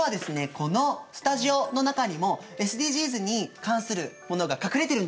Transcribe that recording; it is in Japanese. このスタジオの中にもＳＤＧｓに関するものが隠れてるんですよ。